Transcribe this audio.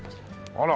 あら。